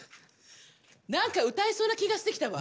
何か歌えそうな気がしてきたわ。